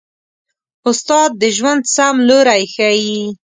استاد د ژوند سم لوری ښيي.